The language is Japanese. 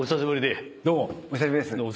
どうもお久しぶりです。